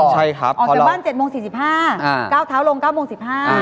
ออกจากบ้าน๗โมง๔๕อ่า